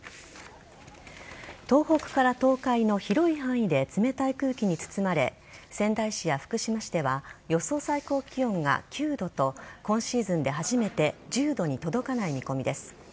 東北から東海の広い範囲で冷たい空気に包まれ仙台市や福島市では予想最高気温が９度と今シーズンで初めて１０度に届かない見込みです。